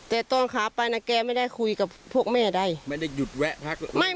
แต่ตอนขาไปนะแกไม่ได้คุยกับพวกแม่ใดไม่ได้หยุดแวะพัก